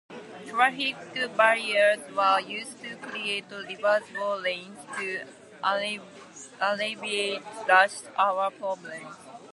Traffic barriers were used to create reversible lanes, to alleviate rush hour problems.